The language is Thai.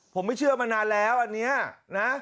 ผมไม่เชื่อมานานแล้วอันนี้นะ